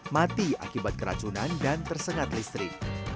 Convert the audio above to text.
mati akibat keracunan dan tersengat listrik